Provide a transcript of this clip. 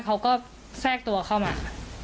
เขาก็แทรกตัวเข้ามา